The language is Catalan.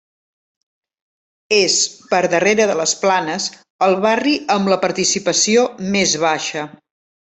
És, per darrere de les Planes, el barri amb la participació més baixa.